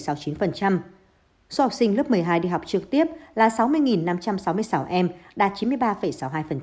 số học sinh lớp một mươi hai đi học trực tiếp là sáu mươi năm trăm sáu mươi sáu em đạt chín mươi ba sáu mươi hai